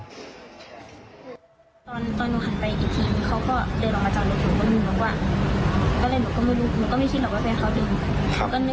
ตอนหนูหันไปอีกทีเขาก็เดินออกมาจอดรถหนู